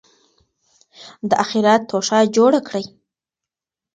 د آخرت توښه جوړه کړئ.